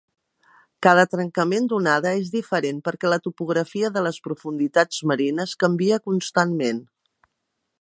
Cada trencament d'onada és diferent perquè la topografia de les profunditats marines canvia constantment.